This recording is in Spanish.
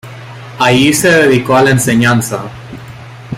Allí se dedicó a la enseñanza.